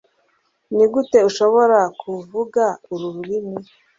Nigute ushobora kuvuga uru rurimi